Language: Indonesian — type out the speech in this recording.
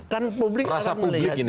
kan publik akan melihat